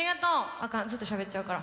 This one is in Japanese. アカンずっとしゃべっちゃうから。